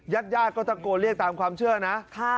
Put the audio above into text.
ยักษ์ญาติก็ตะโกนเรียกตามความเชื่อนะค่ะ